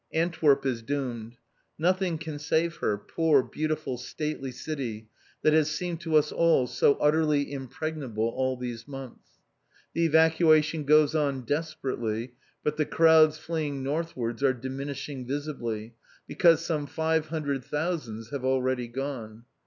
Antwerp is doomed. Nothing can save her, poor, beautiful, stately city that has seemed to us all so utterly impregnable all these months. The evacuation goes on desperately, but the crowds fleeing northwards are diminishing visibly, because some five hundred thousands have already gone.